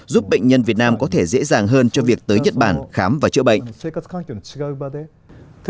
giúp bệnh nhân việt nam có thể dễ dàng hơn cho việc tới nhật bản khám và chữa bệnh